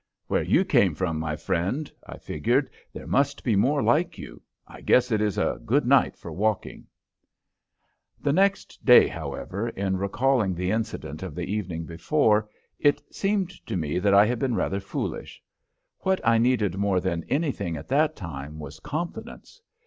"Where you came from, my friend," I figured, "there must be more like you! I guess it is a good night for walking." The next day, however, in recalling the incident of the evening before, it seemed to me that I had been rather foolish. What I needed more than anything at that time was confidence.